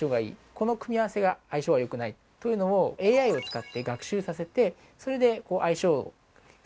この組み合わせが相性は良くないというのをＡＩを使って学習させてそれで相性を測定しています。